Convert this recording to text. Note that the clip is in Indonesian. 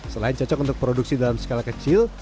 selain cocok untuk produksi dalam skala kecil